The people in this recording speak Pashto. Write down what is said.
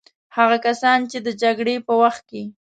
هغه کسان چې د جګړې په وخت کې.